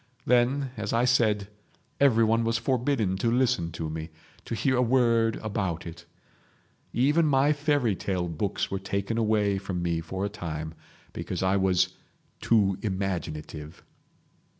Then, as I said, everyone was forbidden to listen to me, to hear a word about it. Even my fairy tale books were taken away from me for a time—because I was 'too imaginative.